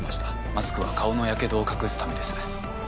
マスクは顔のヤケドを隠すためです。